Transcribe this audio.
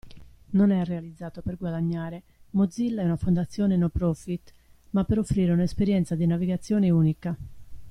Non è realizzato per guadagnare (Mozilla è una fondazione no profit), ma per offrire un'esperienza di navigazione unica.